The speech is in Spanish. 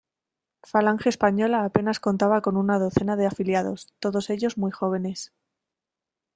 Falange Española apenas contaba con una docena de afiliados, todos ellos muy jóvenes.